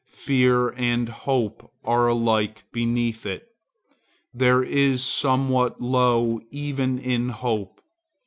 Fear and hope are alike beneath it. There is somewhat low even in hope.